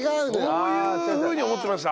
そういうふうに思ってました？